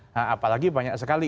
nah apalagi banyak sekali